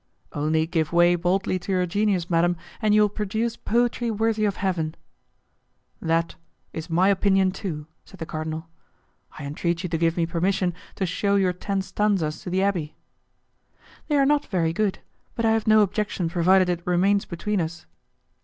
"Only give way boldly to your genius, madam, and you will produce poetry worthy of heaven." "That is my opinion, too," said the cardinal. "I entreat you to give me permission to shew your ten stanzas to the abbé." "They are not very good, but I have no objection provided it remains between us."